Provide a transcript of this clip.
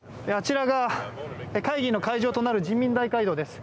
あちらが会議の会場となる人民大会堂です。